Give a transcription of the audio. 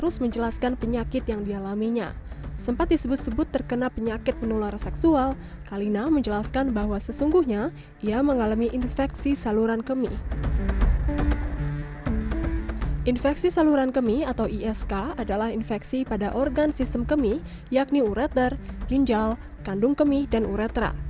saluran kemi atau isk adalah infeksi pada organ sistem kemi yakni ureter ginjal kandung kemi dan uretra